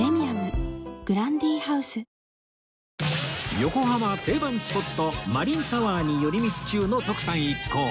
横浜定番スポットマリンタワーに寄り道中の徳さん一行